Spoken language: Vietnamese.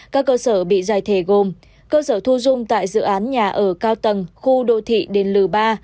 các cơ sở bị giải thể gồm cơ sở thu dung tại dự án nhà ở cao tầng khu đô thị đền lừ ba